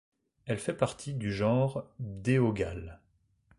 Elle fait partie du genre Bdeogale.